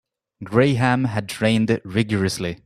Graham had trained rigourously.